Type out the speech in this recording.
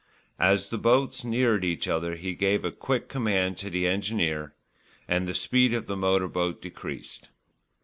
As the boats neared each other he gave a quick command to the engineer, and the speed of the motor boat decreased.